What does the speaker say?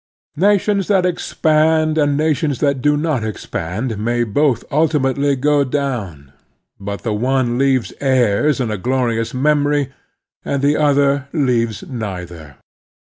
Nations that expand and nations that do not expand may both ultimately go down, but the one leaves heirs and a glorious memory, and the other leaves neither.